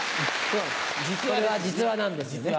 これは実話なんですよね。